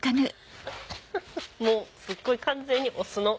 もうすごい完全にお酢の。